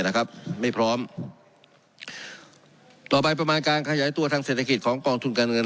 นะครับไม่พร้อมต่อไปประมาณการขยายตัวทางเศรษฐกิจของกองทุนการเงิน